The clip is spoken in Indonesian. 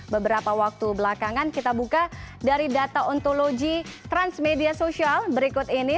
beberapa waktu belakangan kita buka dari data ontologi transmedia sosial berikut ini